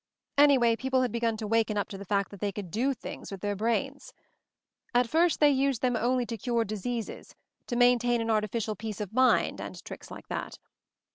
Anyway, people had begun to waken up to the fact that they could do things with their brains. At first they used them only to cure diseases, to maintain an artificial 'peace of mind,' and tricks like that.